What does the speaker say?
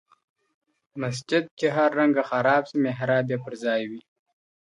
¬ مسجد چي هر رنگه خراب سي، محراب ئې پر ځاى وي.